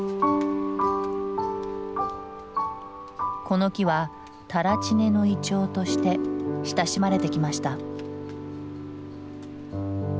この木は垂乳根のイチョウとして親しまれてきました。